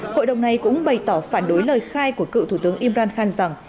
hội đồng này cũng bày tỏ phản đối lời khai của cựu thủ tướng imran khan rằng